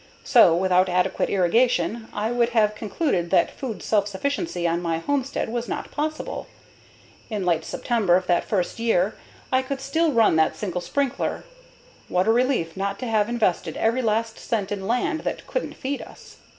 So, without adequate irrigation, I would have concluded that food self sufficiency on my homestead was not possible. In late September of that first year, I could still run that single sprinkler. What a relief not to have invested every last cent in land that couldn't feed us.